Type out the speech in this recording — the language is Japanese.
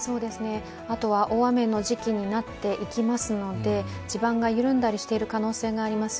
あとは大雨の時期になっていきますので、地盤が緩んだりしている可能性があります。